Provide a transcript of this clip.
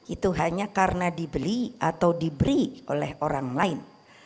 itu hanya karena dibeli atau diberi oleh orang lain